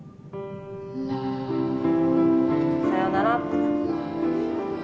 さよならって。